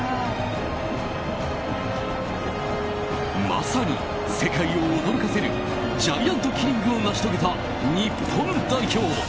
まさに世界を驚かせるジャイアントキリングを成し遂げた日本代表。